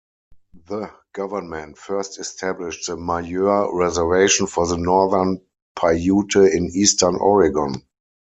The government first established the Malheur Reservation for the Northern Paiute in eastern Oregon.